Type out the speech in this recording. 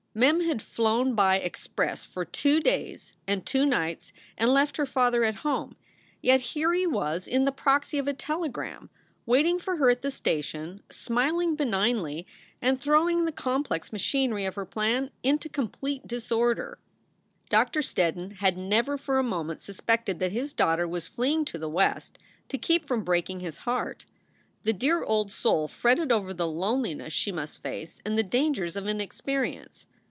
Mem had flown by express for two days and two nights and left her father at home, yet here he was in the proxy of a telegram, waiting for her at the station, smiling benignly and throwing the complex machinery of her plan into com plete disorder. Doctor Steddon had never for a moment suspected that his daughter was fleeing to the West to keep from breaking his heart. The dear old soul fretted over the loneliness she must face and the dangers of inexperience.